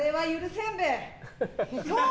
せんべい！